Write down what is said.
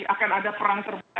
akan ada perang tersebut